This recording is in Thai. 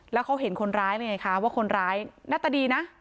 แล้วเขาเห็นคนร้ายไงคะว่าคนร้ายหน้าตาดีนะ